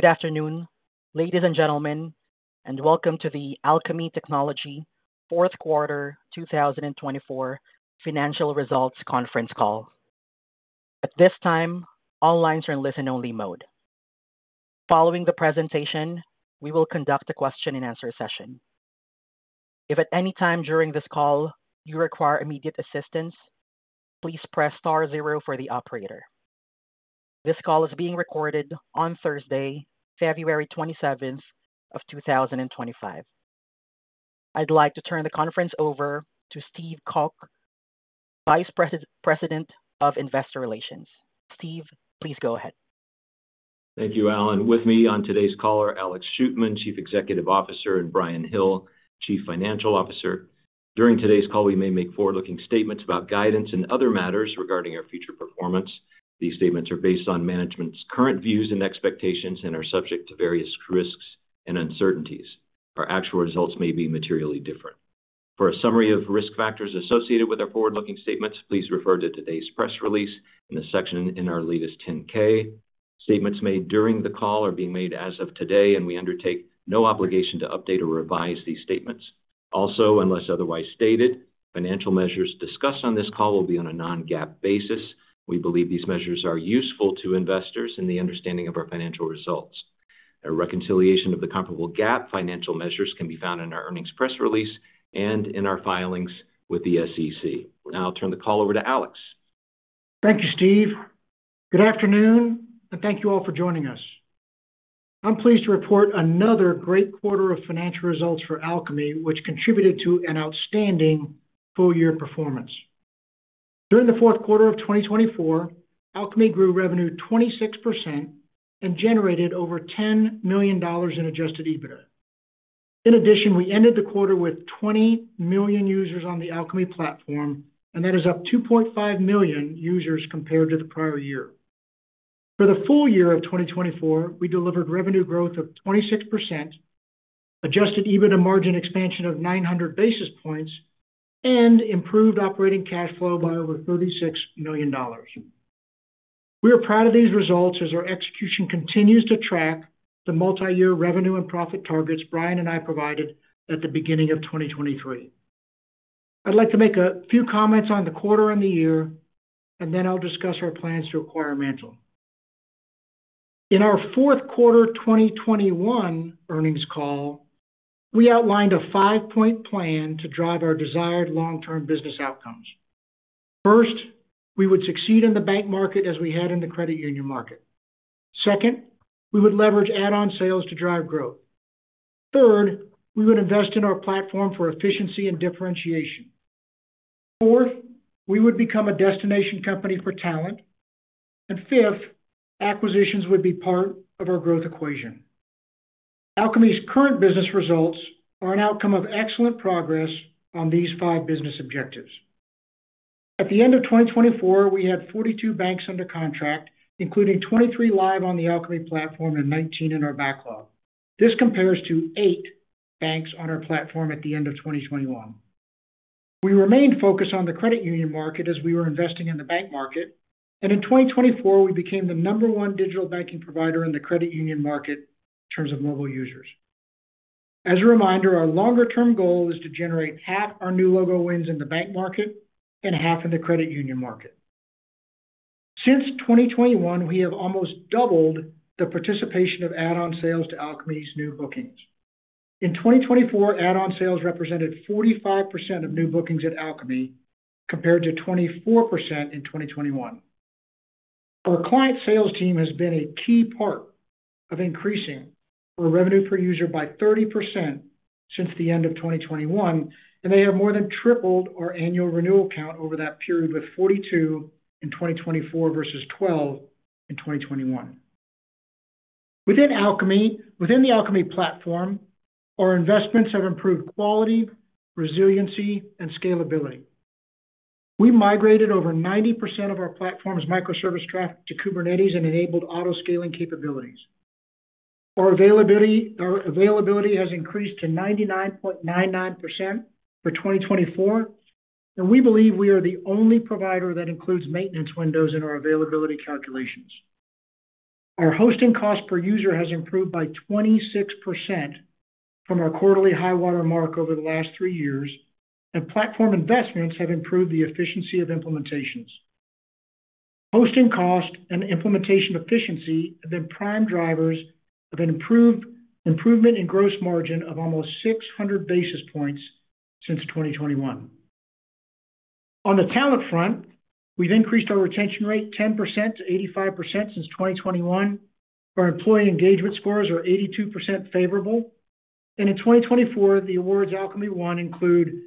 Good afternoon, ladies and gentlemen, and welcome to the Alkami Technology Fourth Quarter 2024 Financial Results Conference Call. At this time, all lines are in listen-only mode. Following the presentation, we will conduct a question-and-answer session. If at any time during this call you require immediate assistance, please press star zero for the operator. This call is being recorded on Thursday, February 27, 2025. I'd like to turn the conference over to Steve Calk, Vice President of Investor Relations. Steve, please go ahead. Thank you, Alan. With me on today's call are Alex Shootman, Chief Executive Officer, and Bryan Hill, Chief Financial Officer. During today's call, we may make forward-looking statements about guidance and other matters regarding our future performance. These statements are based on management's current views and expectations and are subject to various risks and uncertainties. Our actual results may be materially different. For a summary of risk factors associated with our forward-looking statements, please refer to today's press release in the section in our latest 10-K. Statements made during the call are being made as of today, and we undertake no obligation to update or revise these statements. Also, unless otherwise stated, financial measures discussed on this call will be on a non-GAAP basis. We believe these measures are useful to investors in the understanding of our financial results. A reconciliation of the comparable GAAP financial measures can be found in our earnings press release and in our filings with the SEC. Now I'll turn the call over to Alex. Thank you, Steve. Good afternoon, and thank you all for joining us. I'm pleased to report another great quarter of financial results for Alkami, which contributed to an outstanding full-year performance. During the fourth quarter of 2024, Alkami grew revenue 26% and generated over $10 million in Adjusted EBITDA. In addition, we ended the quarter with 20 million users on the Alkami platform, and that is up 2.5 million users compared to the prior year. For the full year of 2024, we delivered revenue growth of 26%, Adjusted EBITDA margin expansion of 900 basis points, and improved operating cash flow by over $36 million. We are proud of these results as our execution continues to track the multi-year revenue and profit targets Bryan and I provided at the beginning of 2023. I'd like to make a few comments on the quarter and the year, and then I'll discuss our plans to acquire MANTL. In our fourth quarter 2021 earnings call, we outlined a five-point plan to drive our desired long-term business outcomes. First, we would succeed in the bank market as we had in the credit union market. Second, we would leverage add-on sales to drive growth. Third, we would invest in our platform for efficiency and differentiation. Fourth, we would become a destination company for talent. And fifth, acquisitions would be part of our growth equation. Alkami's current business results are an outcome of excellent progress on these five business objectives. At the end of 2024, we had 42 banks under contract, including 23 live on the Alkami platform and 19 in our backlog. This compares to eight banks on our platform at the end of 2021. We remained focused on the credit union market as we were investing in the bank market, and in 2024, we became the number one digital banking provider in the credit union market in terms of mobile users. As a reminder, our longer-term goal is to generate half our new logo wins in the bank market and half in the credit union market. Since 2021, we have almost doubled the participation of add-on sales to Alkami's new bookings. In 2024, add-on sales represented 45% of new bookings at Alkami compared to 24% in 2021. Our client sales team has been a key part of increasing our revenue per user by 30% since the end of 2021, and they have more than tripled our annual renewal count over that period with 42 in 2024 versus 12 in 2021. Within Alkami platform, our investments have improved quality, resiliency, and scalability. We migrated over 90% of our platform's microservice traffic to Kubernetes and enabled autoscaling capabilities. Our availability has increased to 99.99% for 2024, and we believe we are the only provider that includes maintenance windows in our availability calculations. Our hosting cost per user has improved by 26% from our quarterly high-water mark over the last three years, and platform investments have improved the efficiency of implementations. Hosting cost and implementation efficiency have been prime drivers of an improvement in gross margin of almost 600 basis points since 2021. On the talent front, we've increased our retention rate 10% - 85% since 2021. Our employee engagement scores are 82% favorable. In 2024, the awards Alkami won include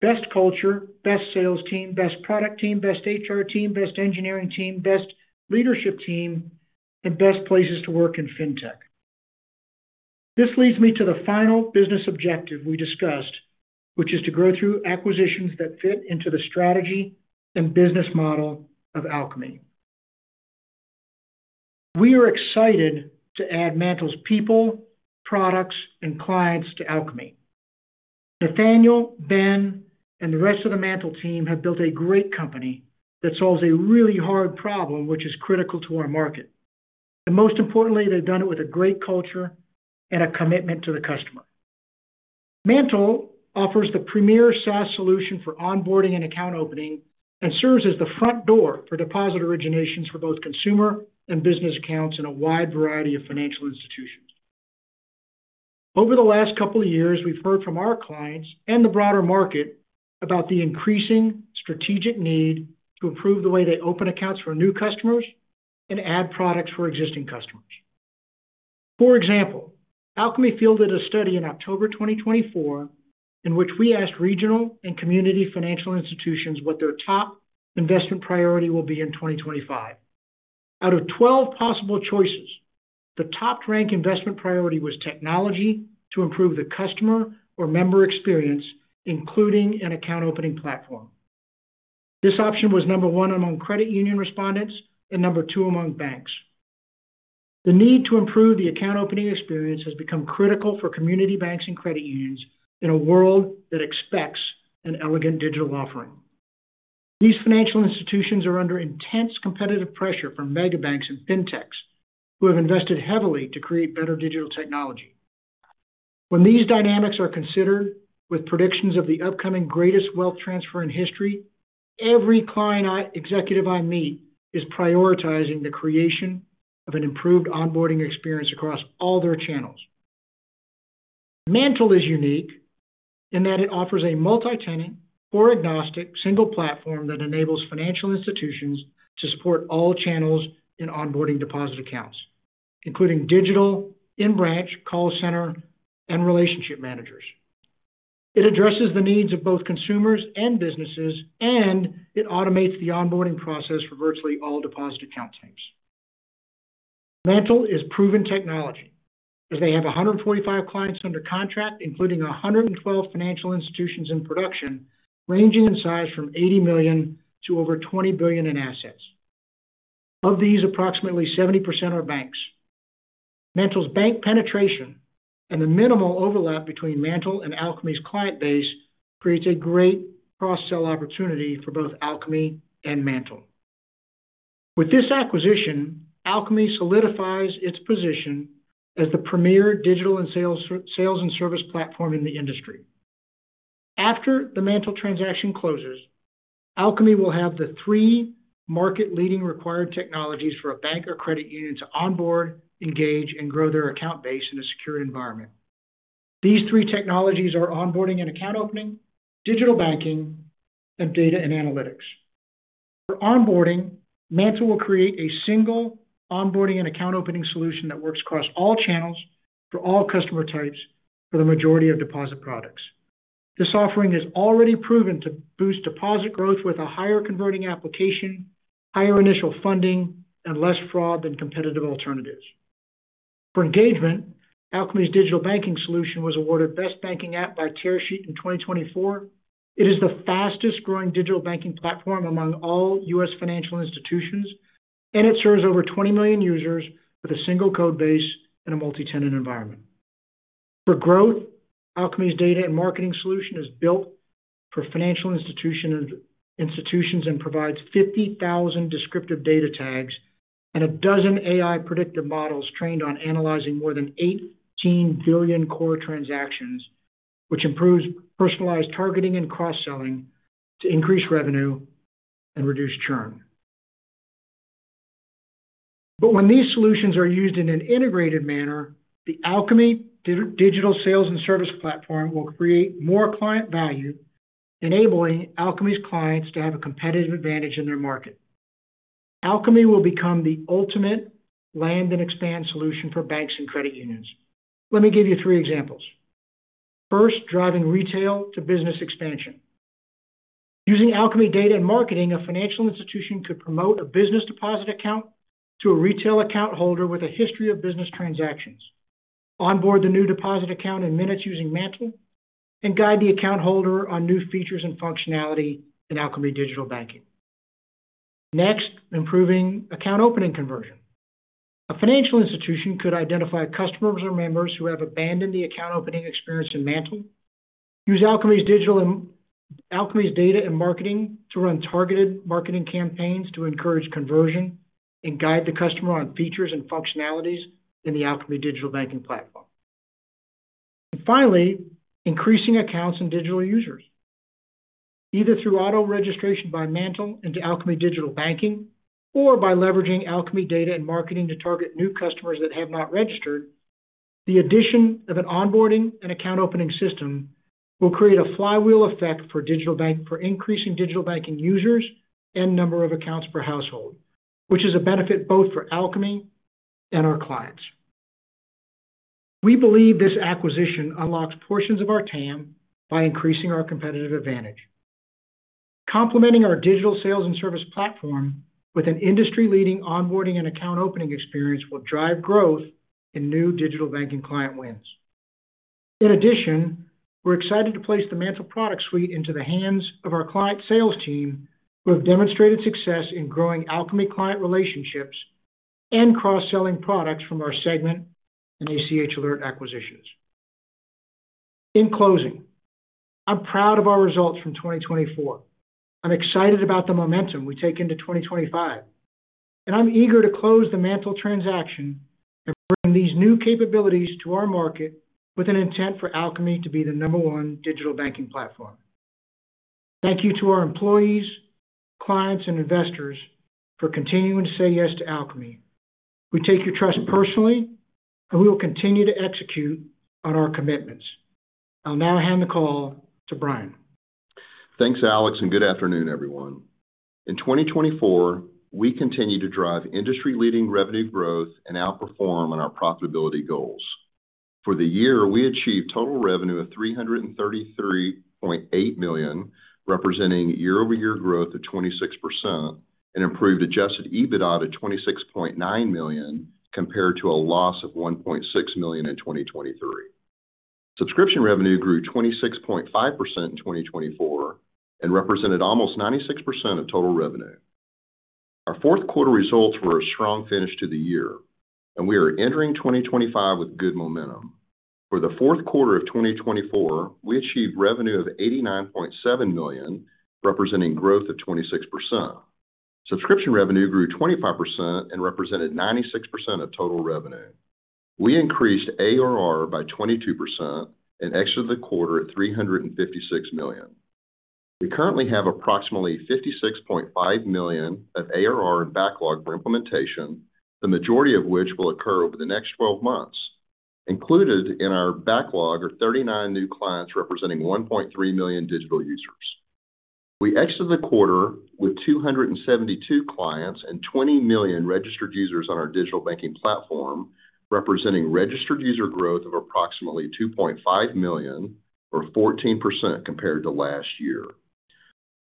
Best Culture, Best Sales Team, Best Product Team, Best HR Team, Best Engineering Team, Best Leadership Team, and Best Places to Work in Fintech. This leads me to the final business objective we discussed, which is to grow through acquisitions that fit into the strategy and business model of Alkami. We are excited to add MANTL's people, products, and clients to Alkami. Nathaniel, Ben, and the rest of the MANTL team have built a great company that solves a really hard problem, which is critical to our market, and most importantly, they've done it with a great culture and a commitment to the customer. MANTL offers the premier SaaS solution for onboarding and account opening and serves as the front door for deposit originations for both consumer and business accounts in a wide variety of financial institutions. Over the last couple of years, we've heard from our clients and the broader market about the increasing strategic need to improve the way they open accounts for new customers and add products for existing customers. For example, Alkami fielded a study in October 2024 in which we asked regional and community financial institutions what their top investment priority will be in 2025. Out of 12 possible choices, the top-ranked investment priority was technology to improve the customer or member experience, including an account opening platform. This option was number one among credit union respondents and number two among banks. The need to improve the account opening experience has become critical for community banks and credit unions in a world that expects an elegant digital offering. These financial institutions are under intense competitive pressure from megabanks and fintechs who have invested heavily to create better digital technology. When these dynamics are considered with predictions of the upcoming greatest wealth transfer in history, every client executive I meet is prioritizing the creation of an improved onboarding experience across all their channels. MANTL is unique in that it offers a multi-tenant, core-agnostic, single platform that enables financial institutions to support all channels in onboarding deposit accounts, including digital, in-branch, call center, and relationship managers. It addresses the needs of both consumers and businesses, and it automates the onboarding process for virtually all deposit account teams. MANTL is proven technology as they have 145 clients under contract, including 112 financial institutions in production ranging in size from $80 million to over $20 billion in assets. Of these, approximately 70% are banks. MANTL's bank penetration and the minimal overlap between MANTL and Alkami's client base creates a great cross-sell opportunity for both Alkami and MANTL. With this acquisition, Alkami solidifies its position as the premier digital and sales and service platform in the industry. After the MANTL transaction closes, Alkami will have the three market-leading required technologies for a bank or credit union to onboard, engage, and grow their account base in a secure environment. These three technologies are onboarding and account opening, digital banking, and data and analytics. For onboarding, MANTL will create a single onboarding and account opening solution that works across all channels for all customer types for the majority of deposit products. This offering is already proven to boost deposit growth with a higher converting application, higher initial funding, and less fraud than competitive alternatives. For engagement, Alkami's digital banking solution was awarded Best Banking App by Tearsheet in 2024. It is the fastest-growing digital banking platform among all U.S. financial institutions, and it serves over 20 million users with a single code base and a multi-tenant environment. For growth, Alkami's Data and Marketing solution is built for financial institutions and provides 50,000 descriptive data tags and a dozen AI predictive models trained on analyzing more than 18 billion core transactions, which improves personalized targeting and cross-selling to increase revenue and reduce churn. But when these solutions are used in an integrated manner, the Alkami Digital Sales and Service Platform will create more client value, enabling Alkami's clients to have a competitive advantage in their market. Alkami will become the ultimate land-and-expand solution for banks and credit unions. Let me give you three examples. First, driving retail to business expansion. Using Alkami Data and Marketing, a financial institution could promote a business deposit account to a retail account holder with a history of business transactions, onboard the new deposit account in minutes using MANTL, and guide the account holder on new features and functionality in Alkami Digital Banking. Next, improving account opening conversion. A financial institution could identify customers or members who have abandoned the account opening experience in MANTL, use Alkami's Data and Marketing to run targeted marketing campaigns to encourage conversion, and guide the customer on features and functionalities in the Alkami Digital Banking Platform. And finally, increasing accounts and digital users. Either through auto-registration by MANTL into Alkami Digital Banking or by leveraging Alkami Data and Marketing to target new customers that have not registered, the addition of an onboarding and account opening system will create a flywheel effect for increasing digital banking users and number of accounts per household, which is a benefit both for Alkami and our clients. We believe this acquisition unlocks portions of our TAM by increasing our competitive advantage. Complementing our Digital Sales and Service Platform with an industry-leading onboarding and account opening experience will drive growth in new digital banking client wins. In addition, we're excited to place the MANTL product suite into the hands of our client sales team who have demonstrated success in growing Alkami client relationships and cross-selling products from our Segmint and ACH Alert acquisitions. In closing, I'm proud of our results from 2024. I'm excited about the momentum we take into 2025, and I'm eager to close the MANTL transaction and bring these new capabilities to our market with an intent for Alkami to be the number one digital banking platform. Thank you to our employees, clients, and investors for continuing to say yes to Alkami. We take your trust personally, and we will continue to execute on our commitments. I'll now hand the call to Bryan. Thanks, Alex, and good afternoon, everyone. In 2024, we continue to drive industry-leading revenue growth and outperform on our profitability goals. For the year, we achieved total revenue of $333.8 million, representing year-over-year growth of 26%, and improved adjusted EBITDA to $26.9 million compared to a loss of $1.6 million in 2023. Subscription revenue grew 26.5% in 2024 and represented almost 96% of total revenue. Our fourth quarter results were a strong finish to the year, and we are entering 2025 with good momentum. For the fourth quarter of 2024, we achieved revenue of $89.7 million, representing growth of 26%. Subscription revenue grew 25% and represented 96% of total revenue. We increased ARR by 22% and exited the quarter at $356 million. We currently have approximately $56.5 million of ARR in backlog for implementation, the majority of which will occur over the next 12 months. Included in our backlog are 39 new clients representing 1.3 million digital users. We exited the quarter with 272 clients and 20 million registered users on our digital banking platform, representing registered user growth of approximately 2.5 million or 14% compared to last year.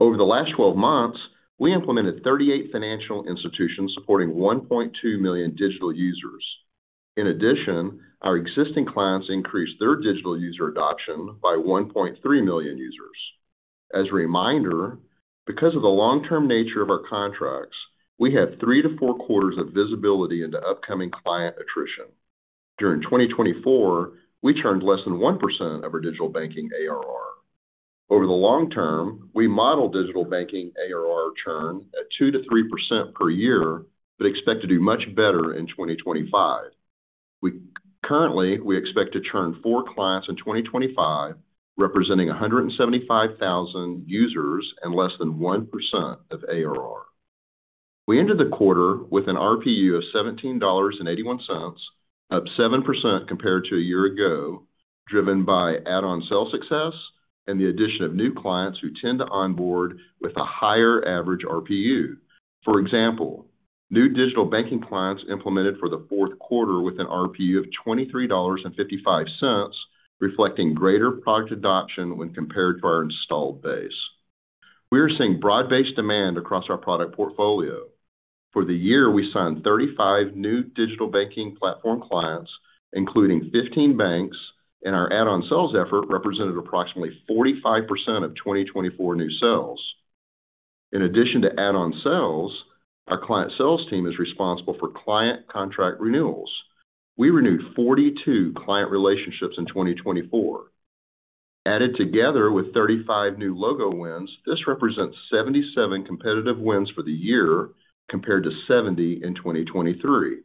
Over the last 12 months, we implemented 38 financial institutions supporting 1.2 million digital users. In addition, our existing clients increased their digital user adoption by 1.3 million users. As a reminder, because of the long-term nature of our contracts, we have three to four quarters of visibility into upcoming client attrition. During 2024, we churned less than 1% of our digital banking ARR. Over the long term, we model digital banking ARR churn at 2%-3% per year, but expect to do much better in 2025. Currently, we expect to churn four clients in 2025, representing 175,000 users and less than 1% of ARR. We entered the quarter with an RPU of $17.81, up 7% compared to a year ago, driven by add-on sales success and the addition of new clients who tend to onboard with a higher average RPU. For example, new digital banking clients implemented for the fourth quarter with an RPU of $23.55, reflecting greater product adoption when compared to our installed base. We are seeing broad-based demand across our product portfolio. For the year, we signed 35 new digital banking platform clients, including 15 banks, and our add-on sales effort represented approximately 45% of 2024 new sales. In addition to add-on sales, our client sales team is responsible for client contract renewals. We renewed 42 client relationships in 2024. Added together with 35 new logo wins, this represents 77 competitive wins for the year compared to 70 in 2023.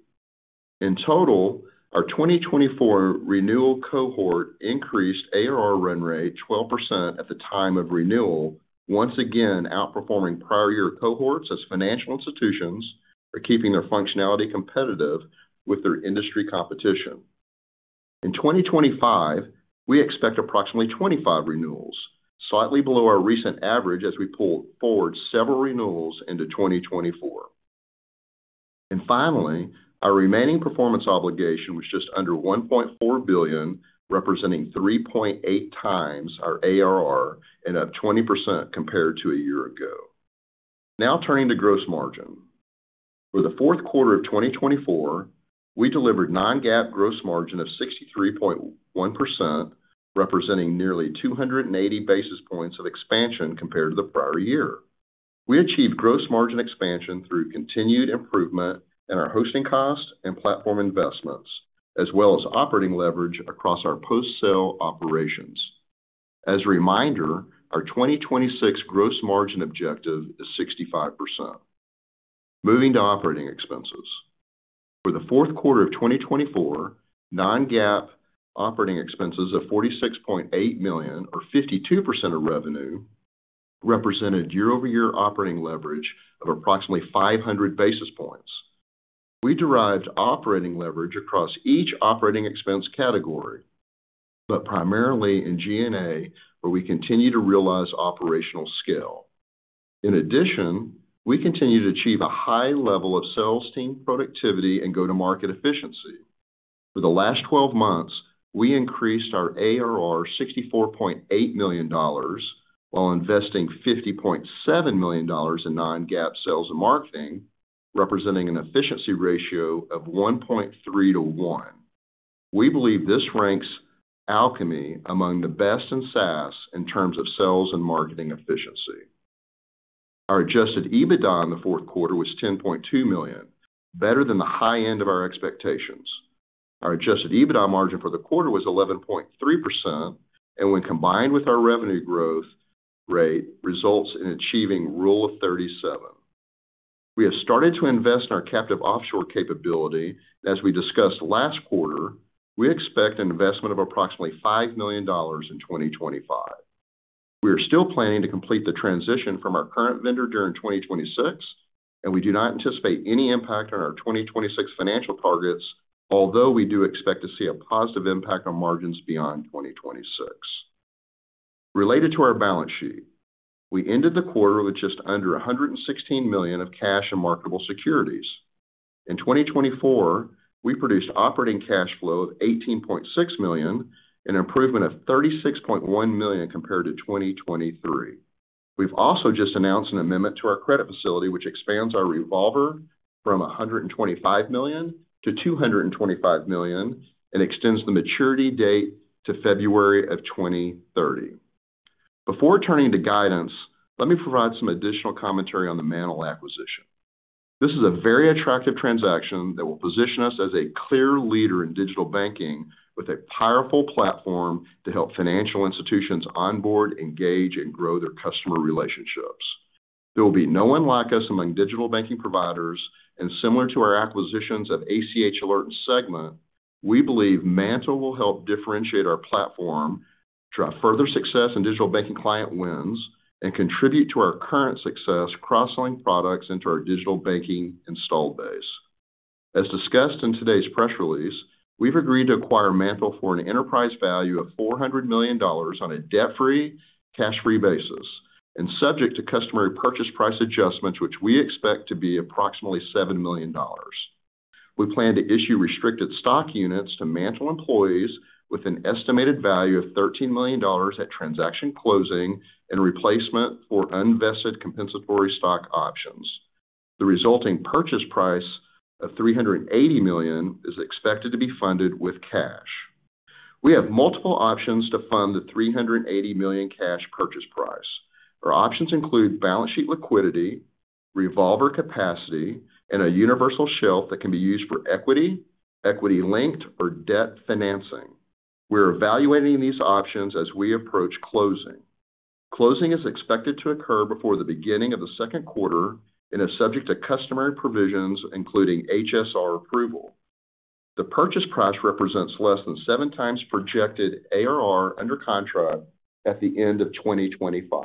In total, our 2024 renewal cohort increased ARR run rate 12% at the time of renewal, once again outperforming prior year cohorts as financial institutions are keeping their functionality competitive with their industry competition. In 2025, we expect approximately 25 renewals, slightly below our recent average as we pull forward several renewals into 2024. And finally, our remaining performance obligation was just under $1.4 billion, representing 3.8 times our ARR and up 20% compared to a year ago. Now turning to gross margin. For the fourth quarter of 2024, we delivered non-GAAP gross margin of 63.1%, representing nearly 280 basis points of expansion compared to the prior year. We achieved gross margin expansion through continued improvement in our hosting costs and platform investments, as well as operating leverage across our post-sale operations. As a reminder, our 2026 gross margin objective is 65%. Moving to operating expenses. For the fourth quarter of 2024, non-GAAP operating expenses of $46.8 million, or 52% of revenue, represented year-over-year operating leverage of approximately 500 basis points. We derived operating leverage across each operating expense category, but primarily in G&A, where we continue to realize operational scale. In addition, we continue to achieve a high level of sales team productivity and go-to-market efficiency. For the last 12 months, we increased our ARR $64.8 million while investing $50.7 million in non-GAAP sales and marketing, representing an efficiency ratio of 1.3 to 1. We believe this ranks Alkami among the best in SaaS in terms of sales and marketing efficiency. Our adjusted EBITDA in the fourth quarter was $10.2 million, better than the high end of our expectations. Our adjusted EBITDA margin for the quarter was 11.3%, and when combined with our revenue growth rate, results in achieving Rule of 37. We have started to invest in our captive offshore capability, and as we discussed last quarter, we expect an investment of approximately $5 million in 2025. We are still planning to complete the transition from our current vendor during 2026, and we do not anticipate any impact on our 2026 financial targets, although we do expect to see a positive impact on margins beyond 2026. Related to our balance sheet, we ended the quarter with just under $116 million of cash and marketable securities. In 2024, we produced operating cash flow of $18.6 million and an improvement of $36.1 million compared to 2023. We've also just announced an amendment to our credit facility, which expands our revolver from $125 million to $225 million and extends the maturity date to February of 2030. Before turning to guidance, let me provide some additional commentary on the MANTL acquisition. This is a very attractive transaction that will position us as a clear leader in digital banking with a powerful platform to help financial institutions onboard, engage, and grow their customer relationships. There will be no one like us among digital banking providers, and similar to our acquisitions of ACH Alert and Segmint, we believe MANTL will help differentiate our platform, drive further success in digital banking client wins, and contribute to our current success cross-selling products into our digital banking installed base. As discussed in today's press release, we've agreed to acquire MANTL for an enterprise value of $400 million on a debt-free, cash-free basis and subject to customary purchase price adjustments, which we expect to be approximately $7 million. We plan to issue restricted stock units to MANTL employees with an estimated value of $13 million at transaction closing and replacement for unvested compensatory stock options. The resulting purchase price of $380 million is expected to be funded with cash. We have multiple options to fund the $380 million cash purchase price. Our options include balance sheet liquidity, revolver capacity, and a universal shelf that can be used for equity, equity-linked, or debt financing. We're evaluating these options as we approach closing. Closing is expected to occur before the beginning of the second quarter and is subject to customary provisions, including HSR approval. The purchase price represents less than seven times projected ARR under contract at the end of 2025.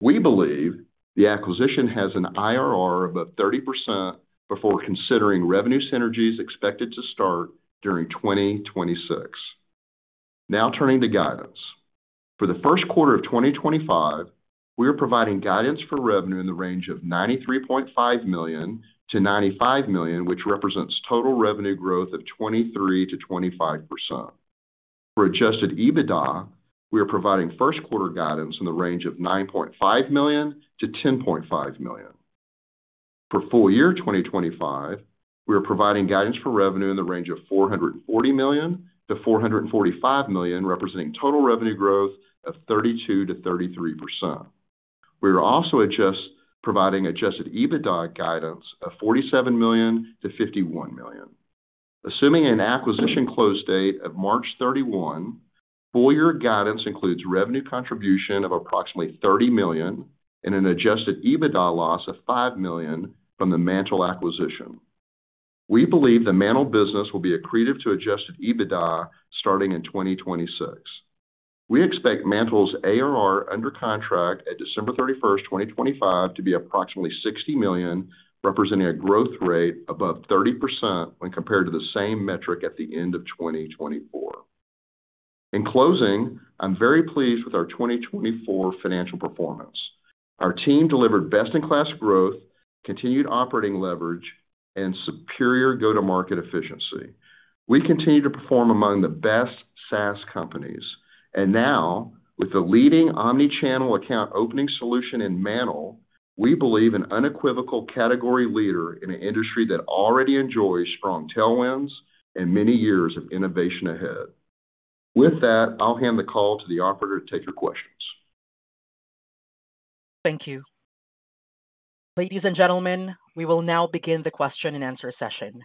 We believe the acquisition has an IRR of about 30% before considering revenue synergies expected to start during 2026. Now turning to guidance. For the first quarter of 2025, we are providing guidance for revenue in the range of $93.5-$95 million, which represents total revenue growth of 23%-25%. For adjusted EBITDA, we are providing first-quarter guidance in the range of $9.5 million-$10.5 million. For full year 2025, we are providing guidance for revenue in the range of $440 million-$445 million, representing total revenue growth of 32%-33%. We are also providing adjusted EBITDA guidance of $47 million-$51 million. Assuming an acquisition close date of March 31, full-year guidance includes revenue contribution of approximately $30 million and an adjusted EBITDA loss of $5 million from the MANTL acquisition. We believe the MANTL business will be accretive to adjusted EBITDA starting in 2026. We expect MANTL's ARR under contract at December 31, 2025, to be approximately $60 million, representing a growth rate above 30% when compared to the same metric at the end of 2024. In closing, I'm very pleased with our 2024 financial performance. Our team delivered best-in-class growth, continued operating leverage, and superior go-to-market efficiency. We continue to perform among the best SaaS companies. And now, with the leading omnichannel account opening solution in MANTL, we believe an unequivocal category leader in an industry that already enjoys strong tailwinds and many years of innovation ahead. With that, I'll hand the call to the operator to take your questions. Thank you. Ladies and gentlemen, we will now begin the question-and-answer session.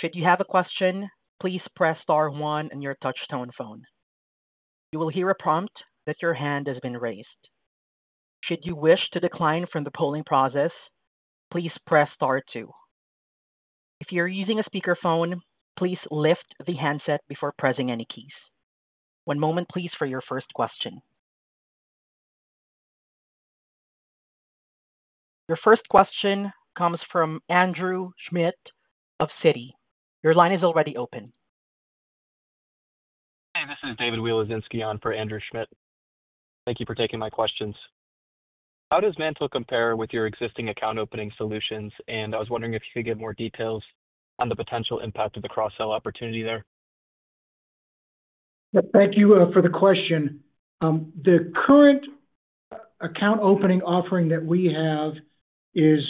Should you have a question, please press star one on your touch-tone phone. You will hear a prompt that your hand has been raised. Should you wish to decline from the polling process, please press star two. If you're using a speakerphone, please lift the handset before pressing any keys. One moment, please, for your first question. Your first question comes from Andrew Schmidt of Citi. Your line is already open. Hey, this is David Wielazinski on for Andrew Schmidt. Thank you for taking my questions. How does MANTL compare with your existing account opening solutions? And I was wondering if you could get more details on the potential impact of the cross-sell opportunity there? Thank you for the question. The current account opening offering that we have is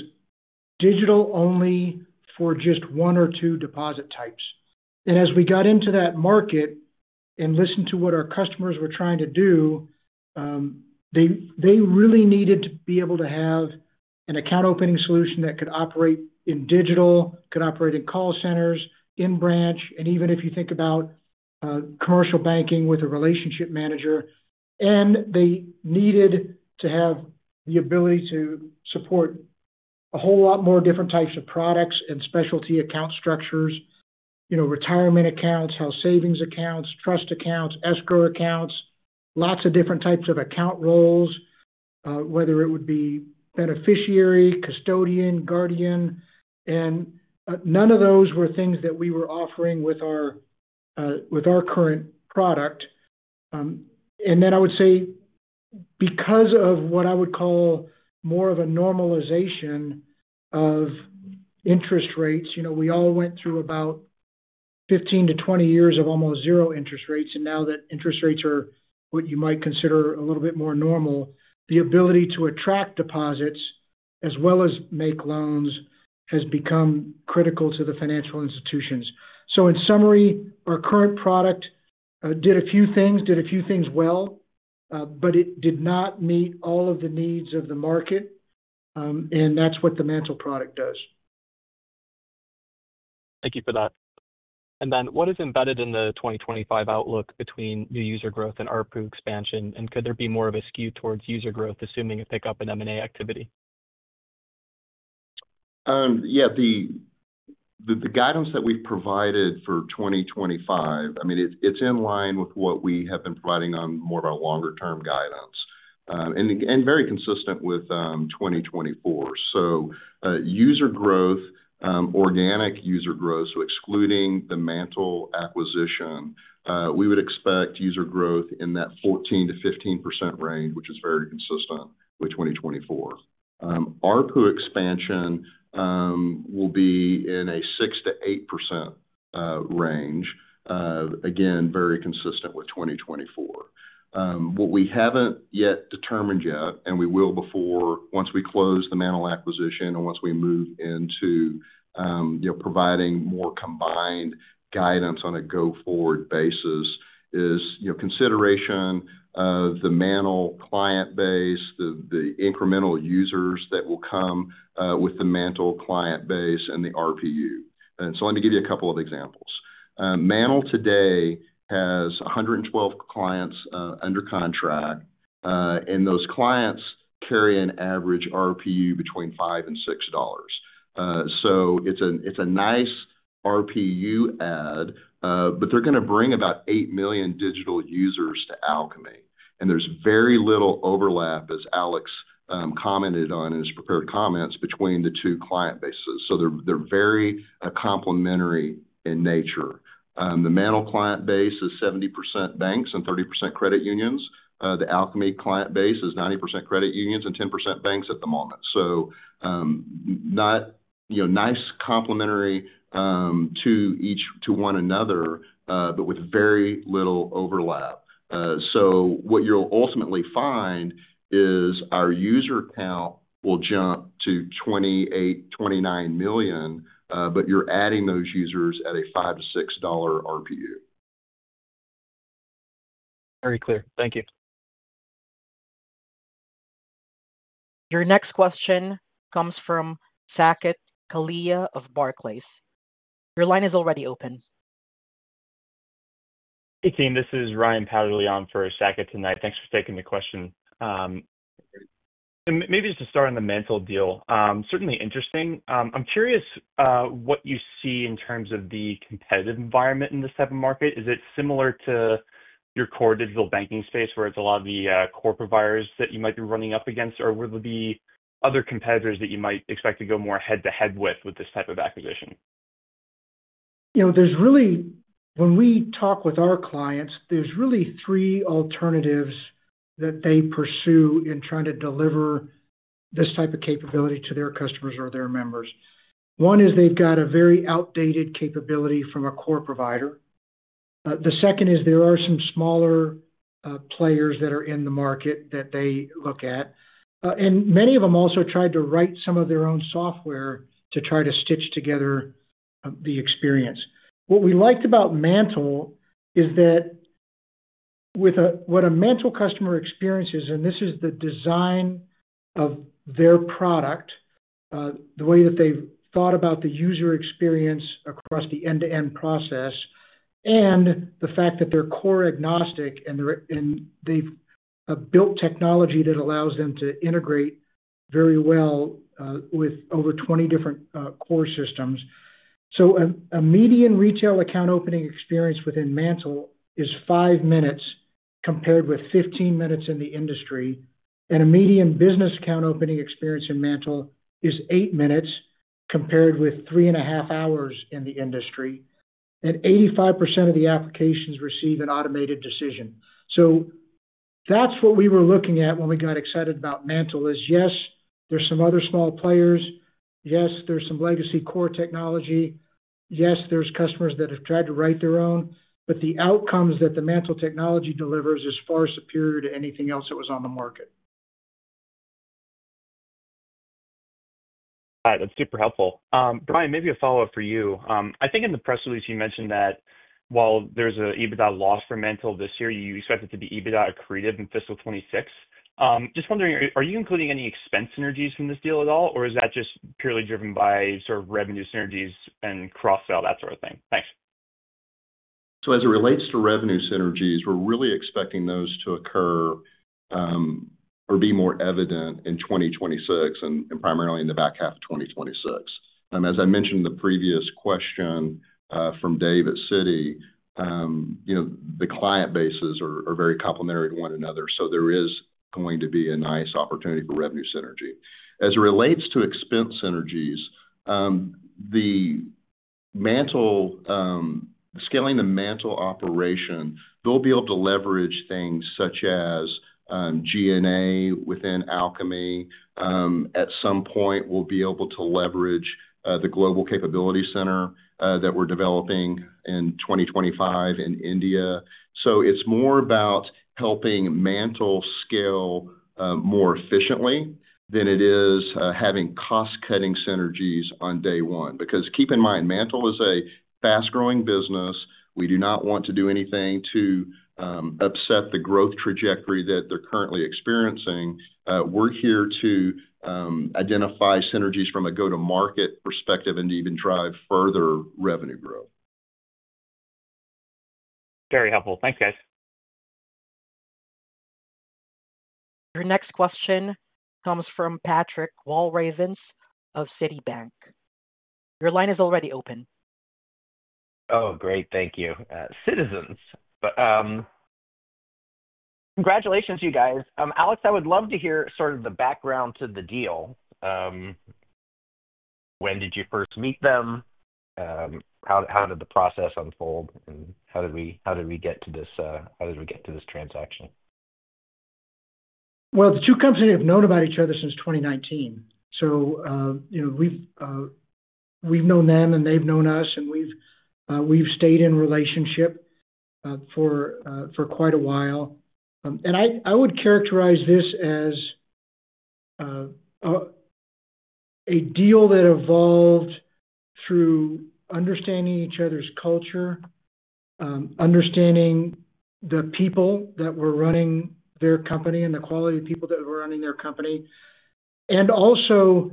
digital-only for just one or two deposit types. And as we got into that market and listened to what our customers were trying to do, they really needed to be able to have an account opening solution that could operate in digital, could operate in call centers, in branch, and even if you think about commercial banking with a relationship manager. And they needed to have the ability to support a whole lot more different types of products and specialty account structures: retirement accounts, health savings accounts, trust accounts, escrow accounts, lots of different types of account roles, whether it would be beneficiary, custodian, guardian. And none of those were things that we were offering with our current product. And then I would say, because of what I would call more of a normalization of interest rates, we all went through about 15-20 years of almost zero interest rates. And now that interest rates are what you might consider a little bit more normal, the ability to attract deposits as well as make loans has become critical to the financial institutions. So in summary, our current product did a few things, did a few things well, but it did not meet all of the needs of the market. And that's what the MANTL product does. Thank you for that. And then what is embedded in the 2025 outlook between new user growth and RPU expansion? And could there be more of a skew towards user growth, assuming a pickup in M&A activity? Yeah, the guidance that we've provided for 2025, I mean, it's in line with what we have been providing on more of our longer-term guidance and very consistent with 2024. So user growth, organic user growth, so excluding the MANTL acquisition, we would expect user growth in that 14%-15% range, which is very consistent with 2024. RPU expansion will be in a 6%-8% range, again, very consistent with 2024. What we haven't yet determined, and we will before we close the MANTL acquisition and once we move into providing more combined guidance on a go-forward basis, is consideration of the MANTL client base, the incremental users that will come with the MANTL client base and the RPU. And so let me give you a couple of examples. MANTL today has 112 clients under contract, and those clients carry an average RPU between $5 and $6. So it's a nice RPU add, but they're going to bring about 8 million digital users to Alkami. And there's very little overlap, as Alex commented on in his prepared comments, between the two client bases. So they're very complementary in nature. The MANTL client base is 70% banks and 30% credit unions. The Alkami client base is 90% credit unions and 10% banks at the moment. So, nice complementary to one another, but with very little overlap. So what you'll ultimately find is our user count will jump to 28-29 million, but you're adding those users at a $5-$6 RPU. Very clear. Thank you. Your next question comes from Saket Kalia of Barclays. Your line is already open. Hey, team. This is Ryan Powderly on for Saket tonight. Thanks for taking the question. Maybe just to start on the MANTL deal, certainly interesting. I'm curious what you see in terms of the competitive environment in this type of market. Is it similar to your core digital banking space, where it's a lot of the core providers that you might be running up against, or will there be other competitors that you might expect to go more head-to-head with this type of acquisition? When we talk with our clients, there's really three alternatives that they pursue in trying to deliver this type of capability to their customers or their members. One is they've got a very outdated capability from a core provider. The second is there are some smaller players that are in the market that they look at. And many of them also tried to write some of their own software to try to stitch together the experience. What we liked about MANTL is that what a MANTL customer experience is, and this is the design of their product, the way that they've thought about the user experience across the end-to-end process, and the fact that they're core agnostic, and they've built technology that allows them to integrate very well with over 20 different core systems. So a median retail account opening experience within MANTL is five minutes compared with 15 minutes in the industry. And a median business account opening experience in MANTL is eight minutes compared with three and a half hours in the industry. And 85% of the applications receive an automated decision. So that's what we were looking at when we got excited about MANTL is, yes, there's some other small players. Yes, there's some legacy core technology. Yes, there's customers that have tried to write their own. But the outcomes that the MANTL technology delivers is far superior to anything else that was on the market. All right. That's super helpful. Bryan, maybe a follow-up for you. I think in the press release, you mentioned that while there's an EBITDA loss for MANTL this year, you expect it to be EBITDA accretive in fiscal 2026. Just wondering, are you including any expense synergies from this deal at all, or is that just purely driven by sort of revenue synergies and cross-sell, that sort of thing? Thanks. So as it relates to revenue synergies, we're really expecting those to occur or be more evident in 2026 and primarily in the back half of 2026. As I mentioned in the previous question from Dave at Citi, the client bases are very complementary to one another. So there is going to be a nice opportunity for revenue synergy. As it relates to expense synergies, scaling the MANTL operation, they'll be able to leverage things such as G&A within Alkami. At some point, we'll be able to leverage the Global Capability Center that we're developing in 2025 in India. So it's more about helping MANTL scale more efficiently than it is having cost-cutting synergies on day one. Because keep in mind, MANTL is a fast-growing business. We do not want to do anything to upset the growth trajectory that they're currently experiencing. We're here to identify synergies from a go-to-market perspective and even drive further revenue growth. Very helpful. Thanks, guys. Your next question comes from Patrick Walravens of JMP Securities. Your line is already open. Oh, great. Thank you. Citizens. Congratulations, you guys. Alex, I would love to hear sort of the background to the deal. When did you first meet them? How did the process unfold? And how did we get to this transaction? Well, the two companies have known about each other since 2019. So we've known them, and they've known us, and we've stayed in relationship for quite a while. I would characterize this as a deal that evolved through understanding each other's culture, understanding the people that were running their company and the quality of people that were running their company, and also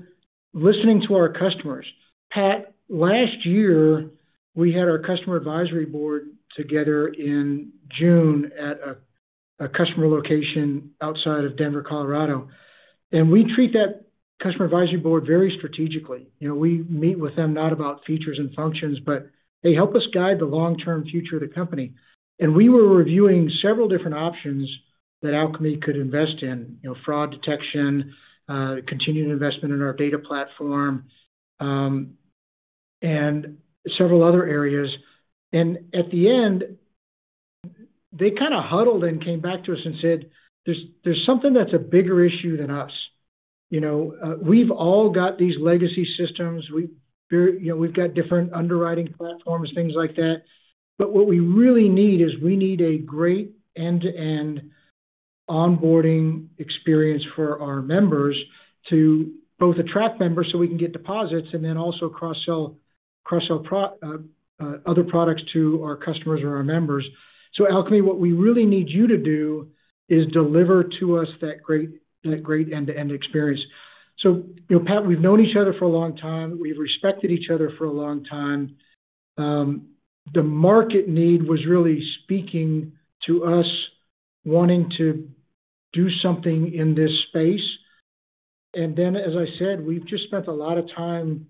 listening to our customers. Pat, last year, we had our customer advisory board together in June at a customer location outside of Denver, Colorado. We treat that customer advisory board very strategically. We meet with them not about features and functions, but, "Hey, help us guide the long-term future of the company." We were reviewing several different options that Alkami could invest in: fraud detection, continued investment in our data platform, and several other areas. At the end, they kind of huddled and came back to us and said, "There's something that's a bigger issue than us." We've all got these legacy systems. We've got different underwriting platforms, things like that. But what we really need is we need a great end-to-end onboarding experience for our members to both attract members so we can get deposits and then also cross-sell other products to our customers or our members. So Alkami, what we really need you to do is deliver to us that great end-to-end experience. So Pat, we've known each other for a long time. We've respected each other for a long time. The market need was really speaking to us wanting to do something in this space. And then, as I said, we've just spent a lot of time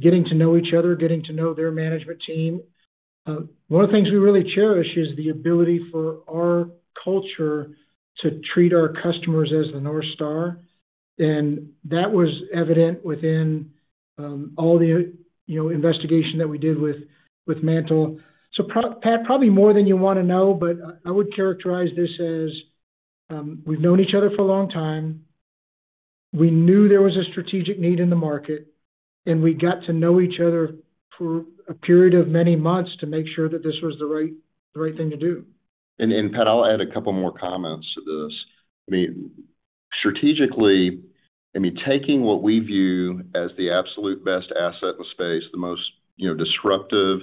getting to know each other, getting to know their management team. One of the things we really cherish is the ability for our culture to treat our customers as the North Star. And that was evident within all the investigation that we did with MANTL. Pat, probably more than you want to know, but I would characterize this as we've known each other for a long time. We knew there was a strategic need in the market, and we got to know each other for a period of many months to make sure that this was the right thing to do. Pat, I'll add a couple more comments to this. I mean, strategically, I mean, taking what we view as the absolute best asset in the space, the most disruptive,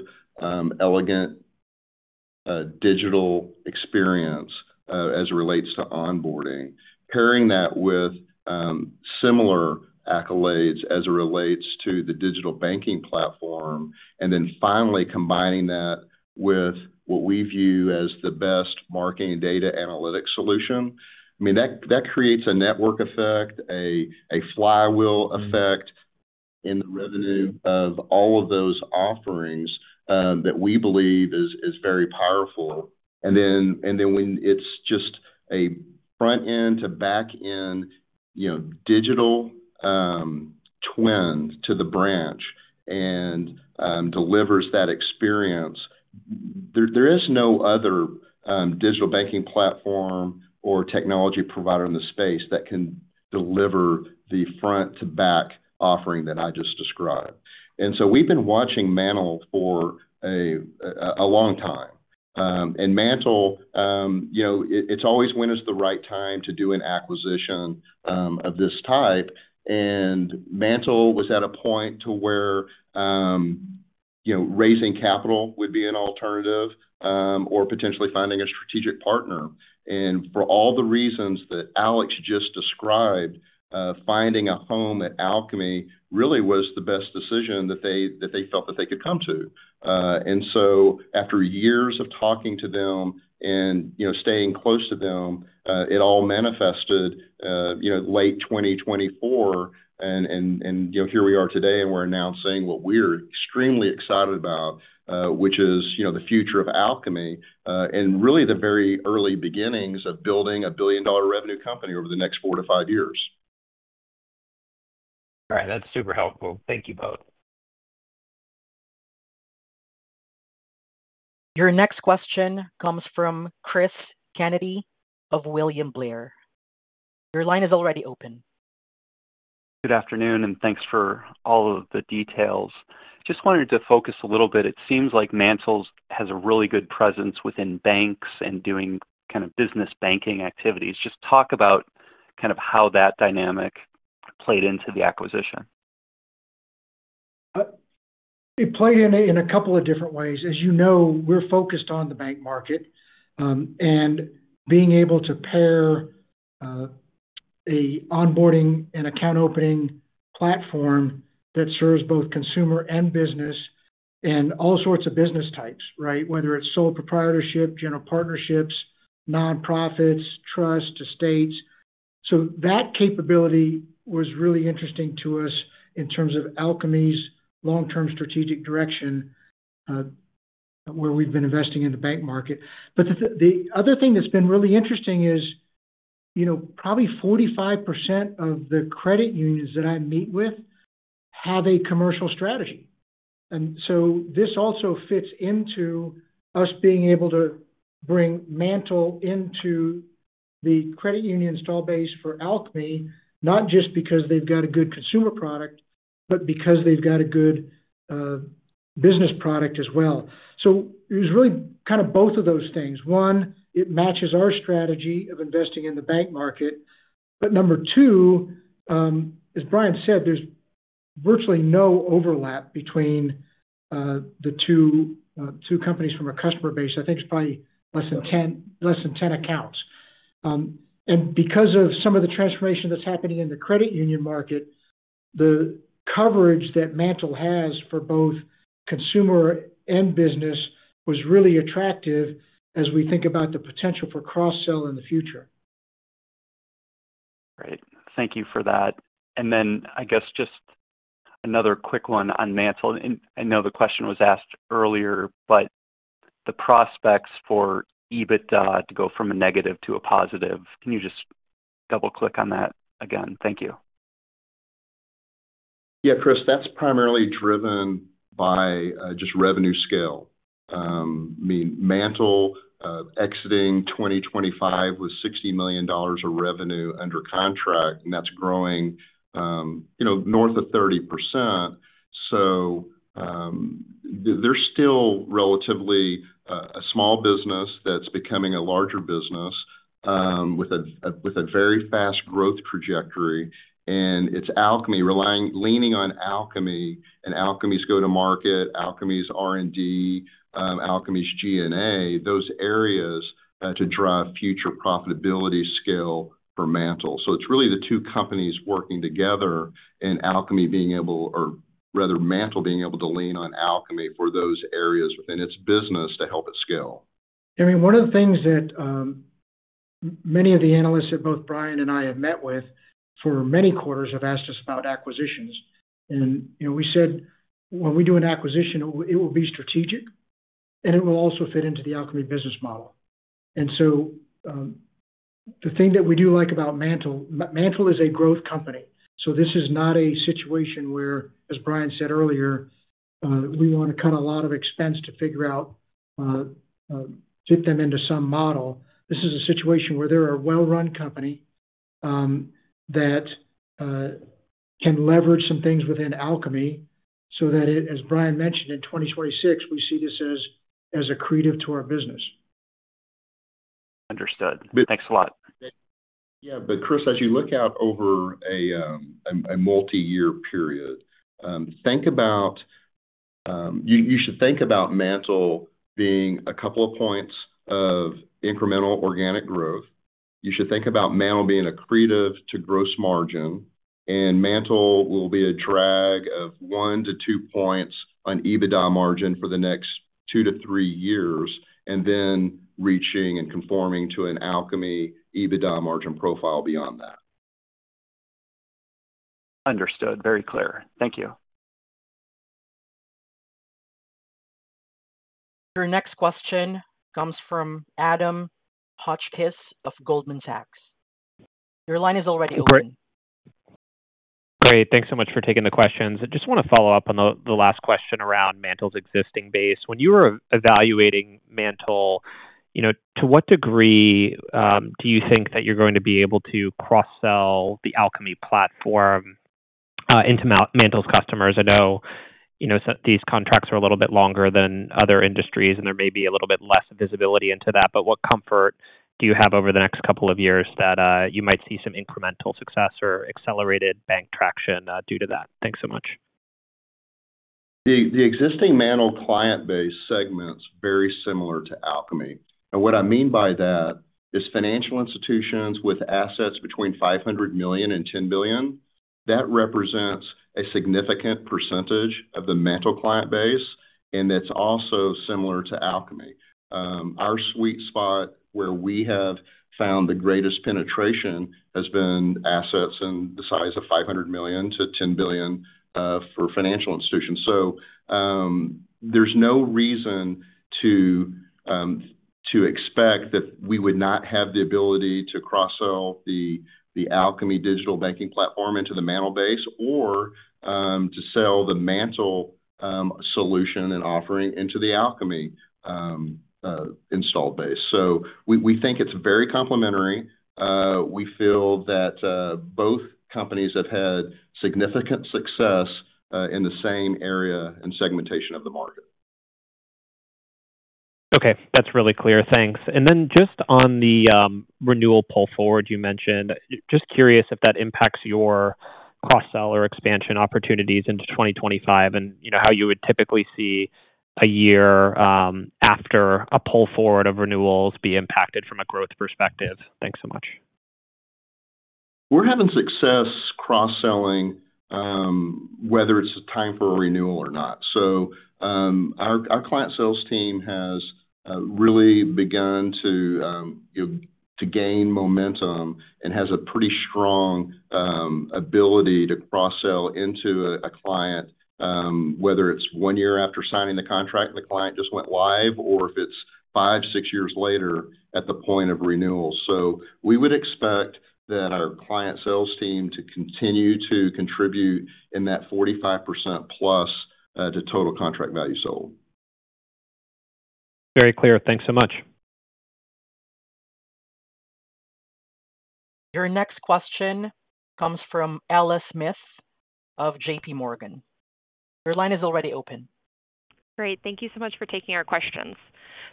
elegant digital experience as it relates to onboarding, pairing that with similar accolades as it relates to the digital banking platform, and then finally combining that with what we view as the best marketing data analytics solution, I mean, that creates a network effect, a flywheel effect in the revenue of all of those offerings that we believe is very powerful. And then when it's just a front-end to back-end digital twin to the branch and delivers that experience, there is no other digital banking platform or technology provider in the space that can deliver the front-to-back offering that I just described. And so we've been watching MANTL for a long time. And MANTL, it's always when is the right time to do an acquisition of this type. And MANTL was at a point to where raising capital would be an alternative or potentially finding a strategic partner. And for all the reasons that Alex just described, finding a home at Alkami really was the best decision that they felt that they could come to. And so after years of talking to them and staying close to them, it all manifested late 2024. And here we are today, and we're announcing what we're extremely excited about, which is the future of Alkami and really the very early beginnings of building a billion-dollar revenue company over the next 4-5 years. All right. That's super helpful. Thank you both. Your next question comes from Chris Kennedy of William Blair. Your line is already open. Good afternoon, and thanks for all of the details. Just wanted to focus a little bit. It seems like MANTL has a really good presence within banks and doing kind of business banking activities. Just talk about kind of how that dynamic played into the acquisition. It played in a couple of different ways. As you know, we're focused on the bank market and being able to pair an onboarding and account opening platform that serves both consumer and business and all sorts of business types, right, whether it's sole proprietorship, general partnerships, nonprofits, trusts, estates. So that capability was really interesting to us in terms of Alkami's long-term strategic direction where we've been investing in the bank market. But the other thing that's been really interesting is probably 45% of the credit unions that I meet with have a commercial strategy. And so this also fits into us being able to bring MANTL into the credit union install base for Alkami, not just because they've got a good consumer product, but because they've got a good business product as well. So it was really kind of both of those things. One, it matches our strategy of investing in the bank market. But number two, as Bryan said, there's virtually no overlap between the two companies from a customer base. I think it's probably less than 10 accounts. And because of some of the transformation that's happening in the credit union market, the coverage that MANTL has for both consumer and business was really attractive as we think about the potential for cross-sell in the future. Great. Thank you for that. And then I guess just another quick one on MANTL. I know the question was asked earlier, but the prospects for EBITDA to go from a negative to a positive, can you just double-click on that again? Thank you. Yeah, Chris, that's primarily driven by just revenue scale. I mean, MANTL exiting 2025 with $60 million of revenue under contract, and that's growing north of 30%. They're still relatively a small business that's becoming a larger business with a very fast growth trajectory. It's Alkami leaning on Alkami and Alkami's go-to-market, Alkami's R&D, Alkami's G&A, those areas to drive future profitability scale for MANTL. It's really the two companies working together and Alkami being able, or rather MANTL being able to lean on Alkami for those areas within its business to help it scale. I mean, one of the things that many of the analysts that both Bryan and I have met with for many quarters have asked us about acquisitions. We said, "When we do an acquisition, it will be strategic, and it will also fit into the Alkami business model." The thing that we do like about MANTL, MANTL is a growth company. So this is not a situation where, as Bryan said earlier, we want to cut a lot of expense to figure out, fit them into some model. This is a situation where they're a well-run company that can leverage some things within Alkami so that, as Bryan mentioned, in 2026, we see this as accretive to our business. Understood. Thanks a lot. Yeah. But Chris, as you look out over a multi-year period, you should think about MANTL being a couple of points of incremental organic growth. You should think about MANTL being accretive to gross margin. And MANTL will be a drag of one to two points on EBITDA margin for the next two to three years and then reaching and conforming to an Alkami EBITDA margin profile beyond that. Understood. Very clear. Thank you. Your next question comes from Adam Hotchkiss of Goldman Sachs. Your line is already open. Great. Thanks so much for taking the questions. I just want to follow up on the last question around MANTL's existing base. When you were evaluating MANTL, to what degree do you think that you're going to be able to cross-sell the Alkami platform into MANTL's customers? I know these contracts are a little bit longer than other industries, and there may be a little bit less visibility into that. But what comfort do you have over the next couple of years that you might see some incremental success or accelerated bank traction due to that? Thanks so much. The existing MANTL client base segments very similar to Alkami. And what I mean by that is financial institutions with assets between 500 million and 10 billion. That represents a significant percentage of the MANTL client base, and that's also similar to Alkami. Our sweet spot where we have found the greatest penetration has been assets in the size of $500 million-$10 billion for financial institutions. So there's no reason to expect that we would not have the ability to cross-sell the Alkami Digital Banking platform into the MANTL base or to sell the MANTL solution and offering into the Alkami install base. So we think it's very complementary. We feel that both companies have had significant success in the same area and segmentation of the market. Okay. That's really clear. Thanks. And then just on the renewal pull forward you mentioned, just curious if that impacts your cross-seller expansion opportunities into 2025 and how you would typically see a year after a pull forward of renewals be impacted from a growth perspective. Thanks so much. We're having success cross-selling whether it's a time for a renewal or not. So our client sales team has really begun to gain momentum and has a pretty strong ability to cross-sell into a client, whether it's one year after signing the contract and the client just went live, or if it's five, six years later at the point of renewal, so we would expect that our client sales team to continue to contribute in that 45% plus to total contract value sold. Very clear. Thanks so much. Your next question comes from Ali Smith of JPMorgan. Your line is already open. Great. Thank you so much for taking our questions,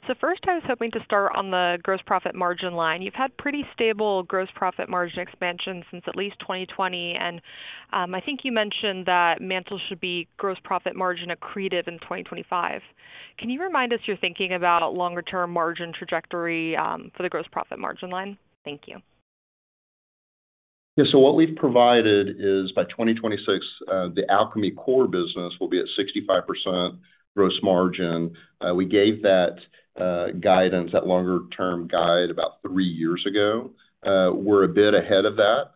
so first, I was hoping to start on the gross profit margin line. You've had pretty stable gross profit margin expansion since at least 2020, and I think you mentioned that MANTL should be gross profit margin accretive in 2025. Can you remind us your thinking about longer-term margin trajectory for the gross profit margin line? Thank you. Yeah. So what we've provided is by 2026, the Alkami core business will be at 65% gross margin. We gave that guidance, that longer-term guide, about three years ago. We're a bit ahead of that.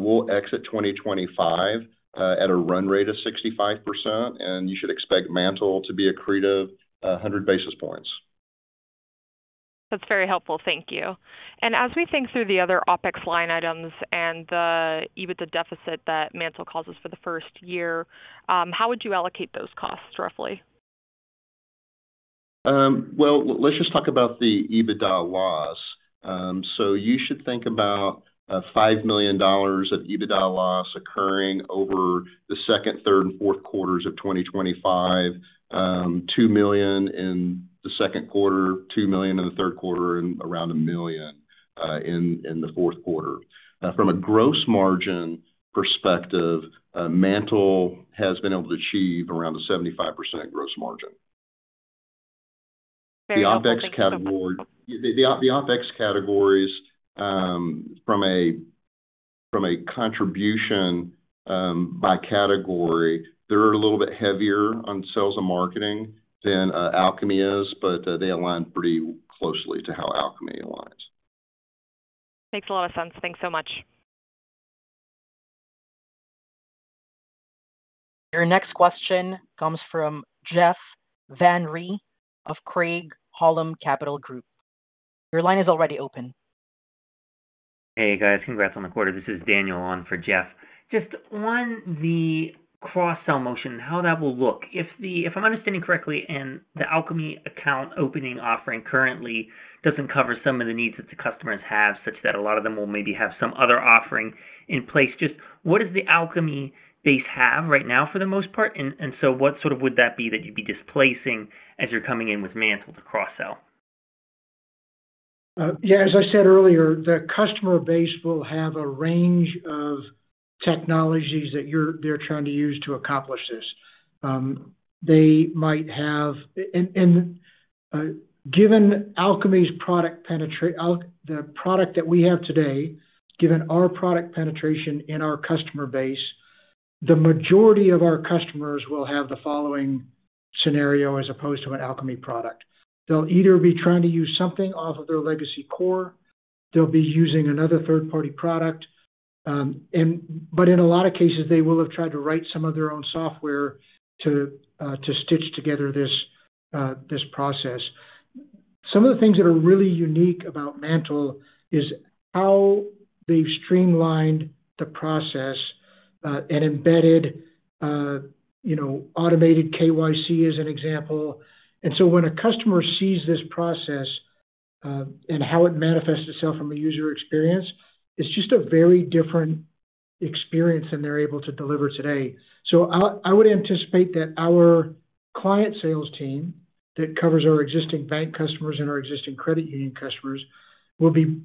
We'll exit 2025 at a run rate of 65%, and you should expect MANTL to be accretive 100 basis points. That's very helpful. Thank you. And as we think through the other OpEx line items and the EBITDA deficit that MANTL causes for the first year, how would you allocate those costs roughly? Well, let's just talk about the EBITDA loss. So you should think about $5 million of EBITDA loss occurring over the second, third, and fourth quarters of 2025, $2 million in the second quarter, $2 million in the third quarter, and around $1 million in the fourth quarter. From a gross margin perspective, MANTL has been able to achieve around a 75% gross margin. The OpEx categories from a contribution by category, they're a little bit heavier on sales and marketing than Alkami is, but they align pretty closely to how Alkami aligns. Makes a lot of sense. Thanks so much. Your next question comes from Jeff Van Rhee of Craig-Hallum Capital Group. Your line is already open. Hey, guys. Congrats on the quarter. This is Daniel on for Jeff. Just on the cross-sell motion, how that will look. If I'm understanding correctly, and the Alkami account opening offering currently doesn't cover some of the needs that the customers have, such that a lot of them will maybe have some other offering in place, just what does the Alkami base have right now for the most part? And so what sort of would that be that you'd be displacing as you're coming in with MANTL to cross-sell? Yeah. As I said earlier, the customer base will have a range of technologies that they're trying to use to accomplish this. They might have, given Alkami's product penetration, the product that we have today, given our product penetration in our customer base, the majority of our customers will have the following scenario as opposed to an Alkami product. They'll either be trying to use something off of their legacy core. They'll be using another third-party product. But in a lot of cases, they will have tried to write some of their own software to stitch together this process. Some of the things that are really unique about MANTL is how they've streamlined the process and embedded automated KYC as an example. And so when a customer sees this process and how it manifests itself from a user experience, it's just a very different experience than they're able to deliver today. So I would anticipate that our client sales team that covers our existing bank customers and our existing credit union customers will be,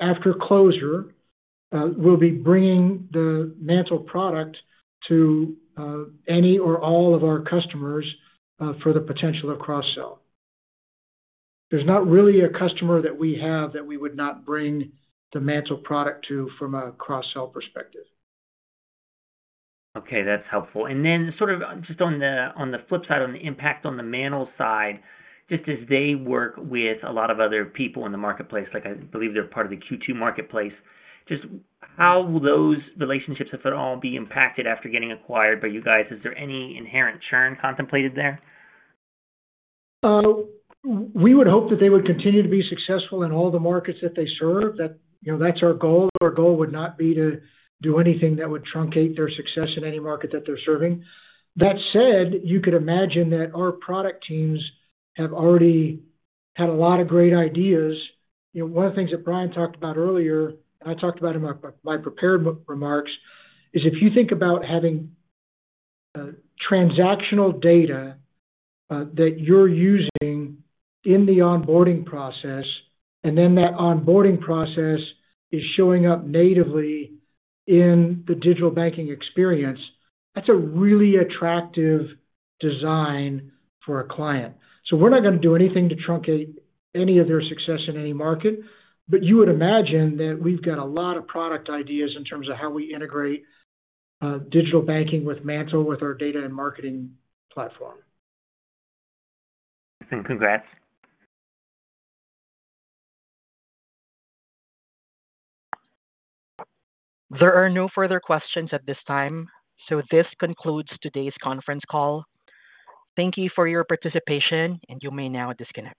after closure, will be bringing the MANTL product to any or all of our customers for the potential of cross-sell. There's not really a customer that we have that we would not bring the MANTL product to from a cross-sell perspective. Okay. That's helpful. And then sort of just on the flip side, on the impact on the MANTL side, just as they work with a lot of other people in the marketplace, like I believe they're part of the Q2 Marketplace, just how will those relationships, if at all, be impacted after getting acquired by you guys? Is there any inherent churn contemplated there? We would hope that they would continue to be successful in all the markets that they serve. That's our goal. Our goal would not be to do anything that would truncate their success in any market that they're serving. That said, you could imagine that our product teams have already had a lot of great ideas. One of the things that Bryan talked about earlier, and I talked about in my prepared remarks, is if you think about having transactional data that you're using in the onboarding process, and then that onboarding process is showing up natively in the digital banking experience, that's a really attractive design for a client. So we're not going to do anything to truncate any of their success in any market, but you would imagine that we've got a lot of product ideas in terms of how we integrate digital banking with MANTL with our data and marketing platform. Congrats. There are no further questions at this time. So this concludes today's conference call. Thank you for your participation, and you may now disconnect.